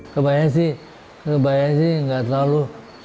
kebaya sih kebaya sih enggak terlalu